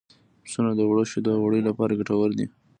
پسونه د وړو شیدو او وړیو لپاره ګټور دي.